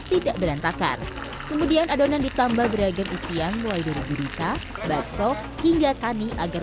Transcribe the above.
tidak berantakan kemudian adonan ditambah beragam isi yang mulai dari burika bakso hingga kani agar